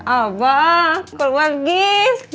abah keluar giz